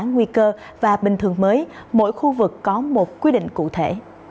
nguy cơ và bình thường mới mỗi khu vực có một quy định cụ thể